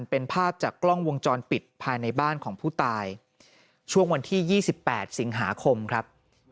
เป็นภาพจากกล้องวงจรปิดภายในบ้านของผู้ตายช่วงวันที่๒๘สิงหาคมครับ